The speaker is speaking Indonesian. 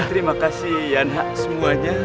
terima kasih yanhak semuanya